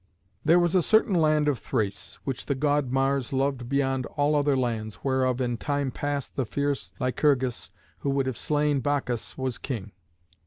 There was a certain land of Thrace, which the god Mars loved beyond all other lands, whereof in time past the fierce Lycurgus, who would have slain Bacchus, was king.